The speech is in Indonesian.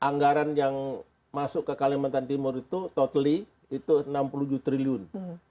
anggaran yang masuk ke kalimantan timur itu totally itu enam puluh tujuh triliun